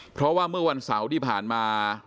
เพราะว่าเมื่อวันเสาร์ที่ผ่านมา